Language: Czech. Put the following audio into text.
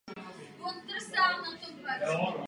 Existuje i její diskrétní aproximace.